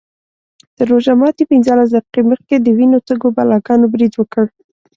تر روژه ماتي پینځلس دقیقې مخکې د وینو تږو بلاګانو برید وکړ.